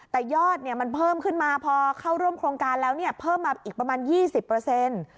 แต่ยอดเนี่ยมันเพิ่มขึ้นมาพอเข้าร่วมโครงการแล้วเนี่ยเพิ่มมาอีกประมาณยี่สิบเปอร์เซ็นต์